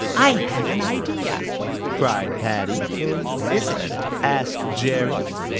"I have an idea!" cried Paddy. "What is it?" asked Jerry.